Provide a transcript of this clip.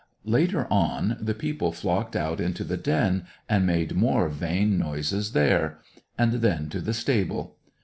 Later on, the people flocked out into the den, and made more vain noises there; and then to the stable.